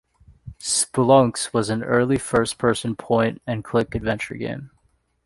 Spelunx was an early first-person point-and-click adventure game.